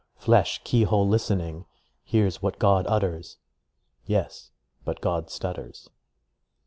Flesh, key hole listening, Hears what God utters" ... Yes, but God stutters.